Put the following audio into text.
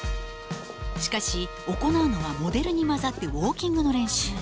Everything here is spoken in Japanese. しかし行うのはモデルに交ざってウォーキングの練習。